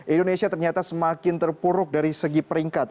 indonesia ternyata semakin terpuruk dari segi peringkat